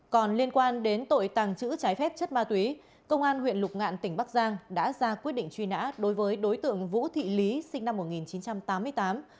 còn liên quan đến tội tàng trữ trái phép chất ma túy công an huyện lục ngạn tỉnh bắc giang đã ra quyết định truy nã đối với đối tượng vũ thị lý sinh năm một nghìn chín trăm tám mươi tám